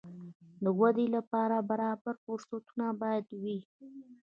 د ودې لپاره برابر فرصتونه باید وي.